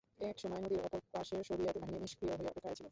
এসময় নদীর অপর পার্শ্বে সোভিয়েত বাহিনী নিষ্ক্রীয় হয়ে অপেক্ষায় ছিল।